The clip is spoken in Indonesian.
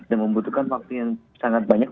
dan membutuhkan waktu yang sangat banyak